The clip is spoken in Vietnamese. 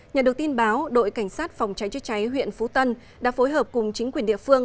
nhận được tin báo đội cảnh sát phòng cháy chữa cháy huyện phú tân đã phối hợp cùng chính quyền địa phương